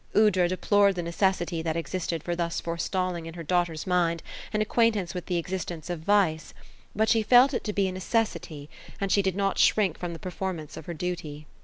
Aoudra deplored the necessity that existed for thus forestalling in her daughter's mind an acquaintance with the existence of vice ; but she felt it to be a necessity, and she did not shrink from the performance of her duty.